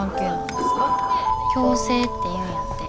共生っていうんやって。